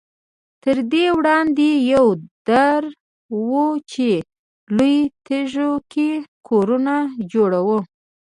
تر دې وړاندې یوه دره وه چې لویو تیږو کې کورونه جوړ وو.